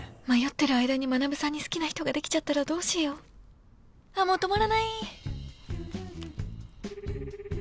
迷ってる間に学さんに好きな人ができちゃったらどうしようああもう止まらない！